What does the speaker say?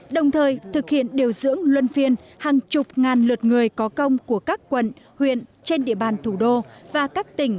đồng thời thực hiện điều dưỡng luân phiên hàng chục ngàn lượt người có công của các quận huyện trên địa bàn thủ đô và các tỉnh